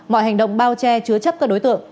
mọi hành động bao che chứa chấp các đối tượng